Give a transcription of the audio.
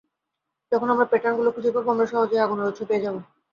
যখন আমরা প্যাটার্ন গুলো খুঁজে পাবো, আমরা সহজেই আগুনের উৎস পেয়ে যাব।